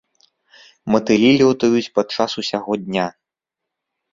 Матылі лётаюць падчас усяго дня.